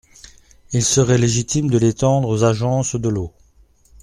Il serait légitime de l’étendre aux agences de l’eau.